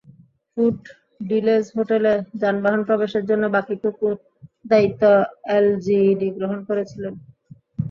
Food village হোটেলে যানবাহন প্রবেশের জন্য বাকিটুকুর দায়িত্ব এলজিইডি গ্রহণ করেছিল।